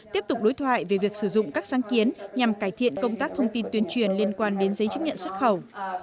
tiếp tục đối thoại về việc sử dụng các sáng kiến nhằm cải thiện công tác thông tin tuyên truyền liên quan đến giấy chứng nhận xuất khẩu